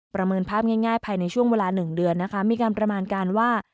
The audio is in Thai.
ประเมินภาพง่ายภายในช่วงเวลาหนึ่งเดือนนะคะมีการประมาณการว่า